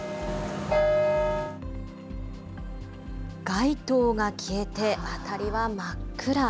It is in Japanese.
街灯が消えて、辺りは真っ暗。